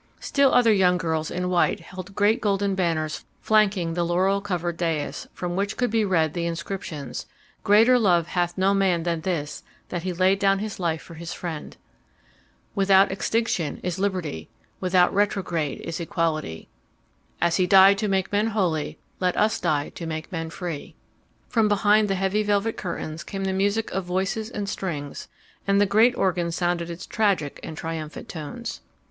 Still other young girls in white held great golden banners flanking the laurel covered dais, from which could be read the inscriptions: "Greater love hath no man than this, that he lay down his life for his friend" ... "Without extinction is liberty; Without retrograde is equality" ... "As He died to make men holy let us die to make men free" ... From behind the heavy velvet curtains came the music of voices and strings, and the great organ sounded its tragic and triumphant tones.